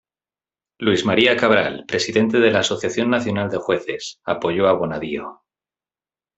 Luis María Cabral, presidente de la Asociación Nacional de Jueces, apoyó a Bonadío.